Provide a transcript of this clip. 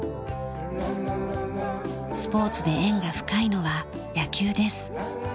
スポーツで縁が深いのは野球です。